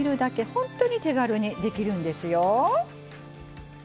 本当に手軽にできるんですよ。